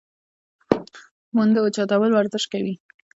د پوندو اوچتولو ورزش کوی -